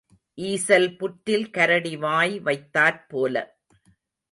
ஈசல் புற்றில் கரடி வாய் வைத்தாற் போல.